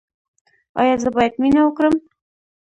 ایا زه باید مینه وکړم؟